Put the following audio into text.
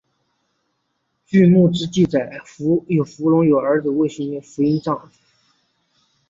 据墓志记载扶余隆有儿子渭州刺史扶余德璋。